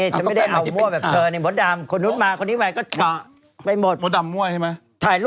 ฉันไม่ได้เอามั่วแบบเธอในหมดดำ